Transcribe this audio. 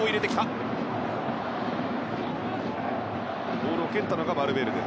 ボールを蹴ったのがバルベルデ。